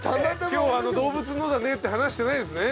今日あの動物のだねって話してないですね？